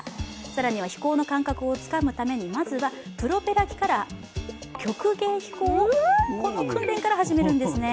更には飛行の感覚をつかむために、まずはプロペラ機から、曲芸飛行をこの訓練から始めるんですね。